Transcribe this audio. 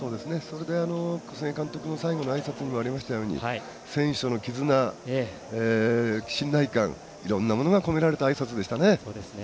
小菅監督の最後のあいさつにもありましたように選手への絆信頼感が込められたあいさつでしたね。